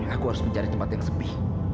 aku harus mencari tempat yang sepi